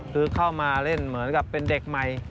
คือเข้ามาเล่นเหมือนกับเป็นเด็กใหม่